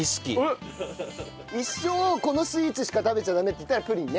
一生このスイーツしか食べちゃダメっていったらプリンね？